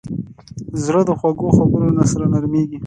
زړه د خوږو خبرو سره نرمېږي.